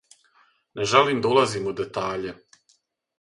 Не желим да улазим у детаље.